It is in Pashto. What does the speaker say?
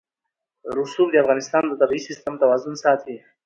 رسوب د افغانستان د طبعي سیسټم توازن ساتي.